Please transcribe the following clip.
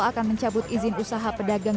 akan mencabut izin usaha pedagang